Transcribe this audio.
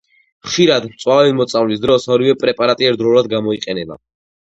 ხშირად, მწვავე მოწამვლის დროს, ორივე პრეპარატი ერთდროულად გამოიყენება.